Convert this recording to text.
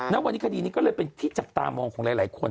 ณวันนี้คดีนี้ก็เลยเป็นที่จับตามองของหลายคน